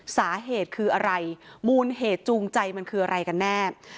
สาเหตุคืออะไรมูลเหตุจูงใจมันคืออะไรกันแน่